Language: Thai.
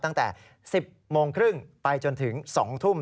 ตั้งแต่๑๐โมงครึ่งไปจนถึง๒ทุ่ม